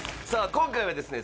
今回はですね